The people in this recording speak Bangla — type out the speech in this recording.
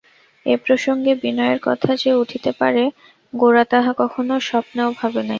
এ প্রসঙ্গে বিনয়ের কথা যে উঠিতে পারে গোরা তাহা কখনো স্বপ্নেও ভাবে নাই।